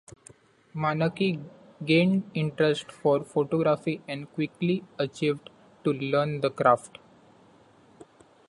Manaki gained interest for photography and quickly achieved to learn the craft.